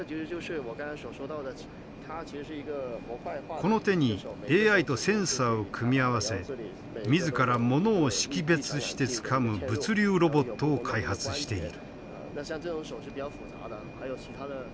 この手にＡＩとセンサーを組み合わせ自らモノを識別してつかむ物流ロボットを開発している。